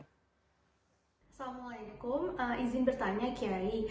assalamualaikum izin bertanya kiai